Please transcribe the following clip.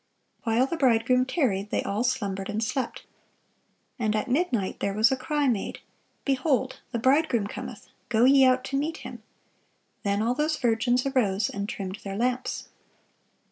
"While the bridegroom tarried, they all slumbered and slept. And at midnight there was a cry made, Behold, the bridegroom cometh; go ye out to meet him. Then all those virgins arose, and trimmed their lamps."